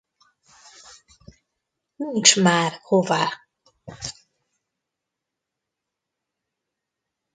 Nincs már hová.